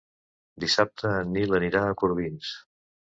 Dissabte en Nil anirà a Corbins.